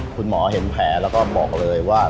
คุณหมอเห็นแผลแล้วก็บอกเลยว่า